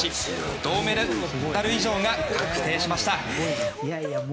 銅メダル以上が確定しました。